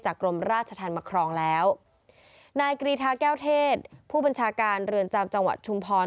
กรมราชธรรมมาครองแล้วนายกรีธาแก้วเทศผู้บัญชาการเรือนจำจังหวัดชุมพร